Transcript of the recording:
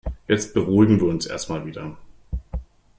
Jetzt beruhigen wir uns erst mal wieder.